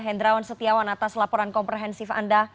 hendrawan setiawan atas laporan komprehensif anda